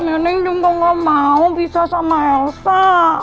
nenek juga gak mau pisah sama elsa